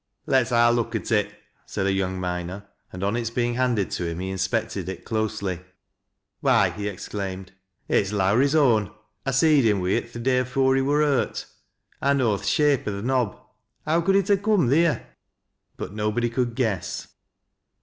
" Let's ha' a look at it," said a young miner, and on its being handed to him he inspected it closely. " Why !" he exclaimed. " It's Lowrie's own. 1 seed him wi' it th' day afore he wur hurt. I know th' shape o' til' knob. How could it ha' coom theer ?" But nobody could guess.